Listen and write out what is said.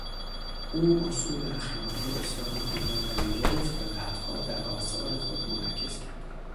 او اصول اخلاقی استاد خود را پذیرفت و بعدها در آثار خود منعکس کرد.